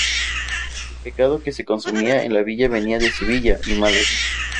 El pescado que se consumía en la villa venía de Sevilla y Málaga.